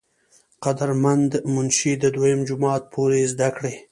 قدر مند منشي د دويم جمات پورې زدکړې